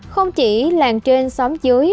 không chỉ làng trên xóm dưới